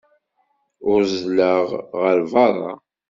Uzzleɣ ɣer berra.